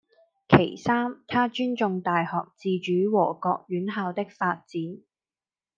其三，她尊重大學自主和各院校的發展